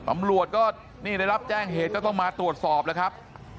ตำรวจก็นี่ได้รับแจ้งเหตุก็ต้องมาตรวจสอบแล้วครับ